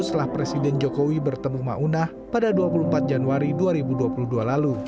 setelah presiden jokowi bertemu maunah pada dua puluh empat januari dua ribu dua puluh dua lalu